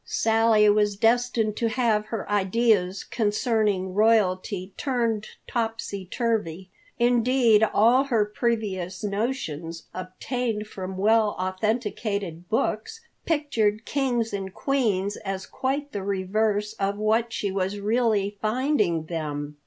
Sally was destined to have her ideas concerning royalty turned topsy turvy. Indeed, all her previous notions, obtained from well authenticated books, pictured kings and queens as quite the reverse of what she was really finding them.